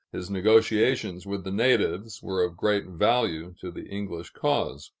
His negotiations with the natives were of great value to the English cause.